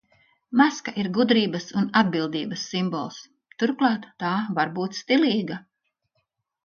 Maska ir gudrības un atbildības simbols. Turklāt, tā var būt stilīga.